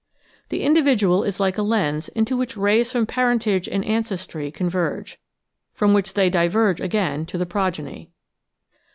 The individual is like a lens into which rays from parentage and ancestry con verge, from which they diverge again to the progeny.